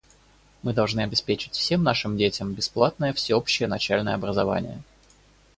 Мы должны обеспечить всем нашим детям бесплатное всеобщее начальное образование.